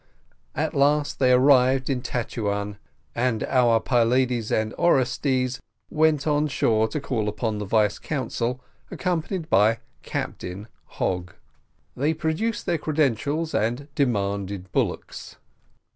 At last they arrived at Tetuan, and our Pylades and Orestes went on shore to call upon the vice consul, accompanied by Captain Hogg. They produced their credentials and demanded bullocks.